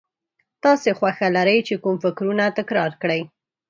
تاسې خوښه لرئ چې کوم فکرونه تکرار کړئ.